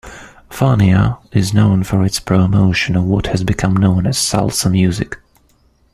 Fania is known for its promotion of what has become known as Salsa music.